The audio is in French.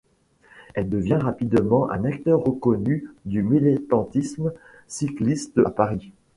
Elle devient rapidement un acteur reconnu du militantisme cycliste à Paris.